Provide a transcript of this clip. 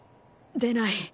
出ない。